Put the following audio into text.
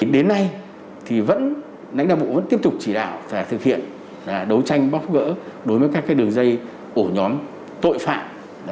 đến nay nãnh đà bộ vẫn tiếp tục chỉ đảo và thực hiện đấu tranh bóc gỡ đối với các đường dây ổ nhóm tội phạm